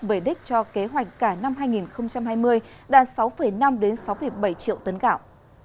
về đích cho kế hoạch cả năm hai nghìn hai mươi đạt sáu năm sáu bảy triệu tấn gạo